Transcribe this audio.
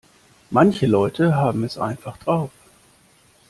Manche Leute haben es einfach drauf.